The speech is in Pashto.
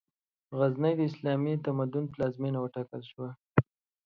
غزنی، د اسلامي تمدن پلازمېنه وټاکل شوه.